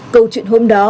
câu chuyện hôm đó